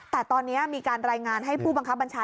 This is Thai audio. แต่ตอนนี้มีการรายงานให้ผู้บังคับบัญชา